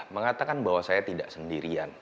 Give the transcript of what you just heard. mengatakan bahwa saya tidak sendirian